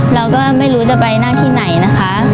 เราก็ไม่รู้จะไปนั่งที่ไหนนะคะ